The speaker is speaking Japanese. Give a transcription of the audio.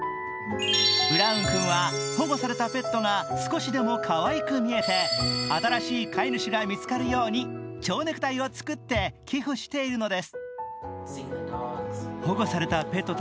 ブラウン君は保護されたペットが少しでもかわいく見えて、新しい飼い主が見つかるように蝶ネクタイを作って寄付しているんです。